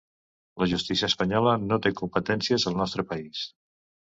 La justícia espanyola no té competències al nostre país.